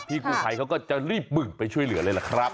กูภัยเขาก็จะรีบบึ่งไปช่วยเหลือเลยล่ะครับ